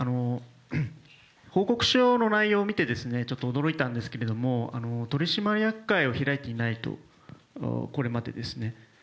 報告書の内容を見て、ちょっと驚いたんですけれども、取締役会を開いていないと、これまでですね。